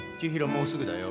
もうすぐだよ。